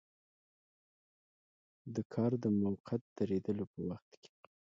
د کار د موقت دریدلو په وخت کې.